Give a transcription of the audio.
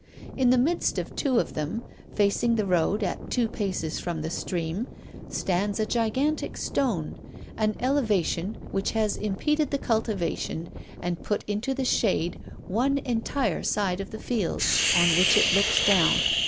In the midst of two of them, facing the road, at two paces from the stream, stands a gigantic stone, an elevation which has impeded the cultivation and put into the shade one entire side of the field, on which it looks down.